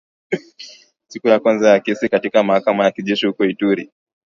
Siku ya kwanza ya kesi katika mahakama ya kijeshi huko Ituri